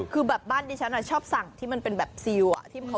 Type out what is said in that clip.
คือแบบบ้านดิฉันชอบสั่งที่มันเป็นแบบซิล